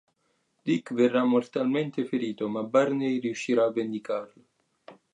Dick verrà mortalmente ferito, ma Barney riuscirà a vendicarlo.